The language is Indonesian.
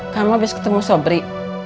kamu abis ketemu sobri